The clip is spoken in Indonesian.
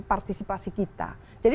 partisipasi kita jadi